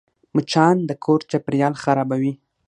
مچان د کور چاپېریال خرابوي